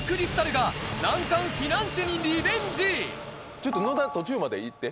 ちょっと野田途中まで行って。